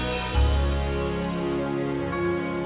sampai jumpa lagi